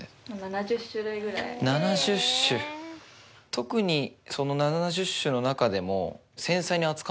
特にその７０種の中でも。